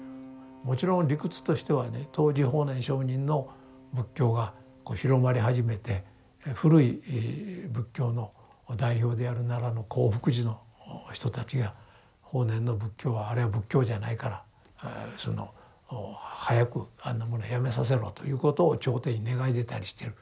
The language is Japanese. もちろん理屈としてはね当時法然上人の仏教が広まり始めて古い仏教の代表である奈良の興福寺の人たちが法然の仏教はあれは仏教じゃないから早くあんなものやめさせろということを朝廷に願い出たりしてる。